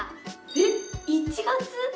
えっ１月？